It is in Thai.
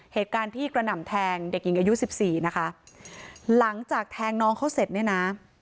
เหตุการณ์ที่กระหน่ำแทงเด็กหญิงอายุสิบสี่นะคะหลังจากแทงน้องเขาเสร็จเนี่ยนะ